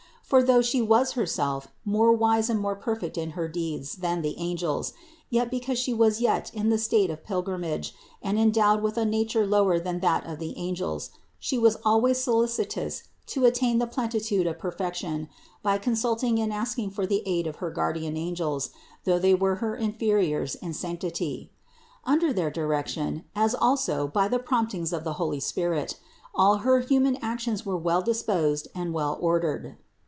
For though She was Herself more wise and more perfect in her deeds than the angels, yet be cause She was yet in the state of pilgrimage and endowed with a nature lower than that of the angels, She was always solicitous to attain the plenitude of perfection by consulting and asking for the aid of her guardian angels, though they were her inferiors in sanctity. Under their direction, as also by the promptings of the holy Spirit, all her human actions were well disposed and well or dered.